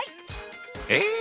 え⁉